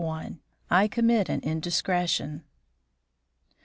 I COMMIT AN INDISCRETION.